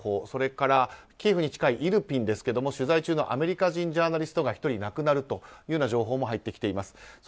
それからキエフに近いイルピンですが、取材中のアメリカ人ジャーナリストが１人亡くなるという情報も入ってきています。